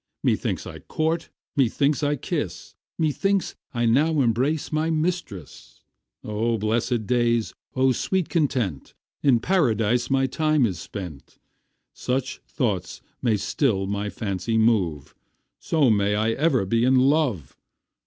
Methinks I court, methinks I kiss, Methinks I now embrace my mistress. O blessed days, O sweet content, In Paradise my time is spent. Such thoughts may still my fancy move, So may I ever be in love.